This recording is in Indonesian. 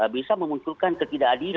bisa memunculkan ketidakadis